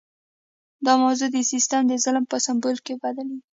دا موضوع د سیستم د ظلم په سمبول بدلیږي.